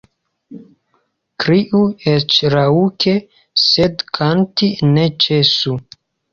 Kriu eĉ raŭke, sed kanti ne ĉesu.